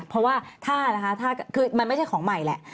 เพราะว่าถ้านะคะคือมันไม่ใช่ของใหม่แหละ